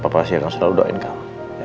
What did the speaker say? papa pasti akan selalu doain kamu ya